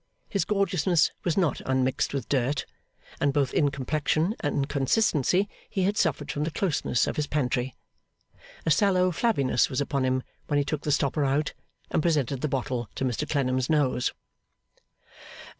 His gorgeousness was not unmixed with dirt; and both in complexion and consistency he had suffered from the closeness of his pantry. A sallow flabbiness was upon him when he took the stopper out, and presented the bottle to Mr Clennam's nose.